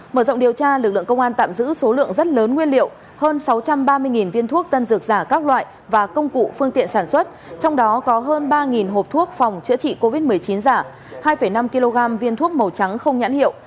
mở rộng điều tra lực lượng công an tạm giữ số lượng rất lớn nguyên liệu hơn sáu trăm ba mươi viên thuốc tân dược giả các loại và công cụ phương tiện sản xuất trong đó có hơn ba hộp thuốc phòng chữa trị covid một mươi chín giả hai năm kg viên thuốc màu trắng không nhãn hiệu